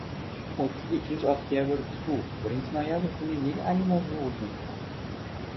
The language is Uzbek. — O‘ttiz ikkinchi oktabr, tfu, birinchi noyabr kuni nega Alimovni urding?